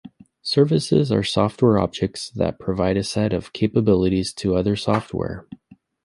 Services are software objects that provide a set of capabilities to other software.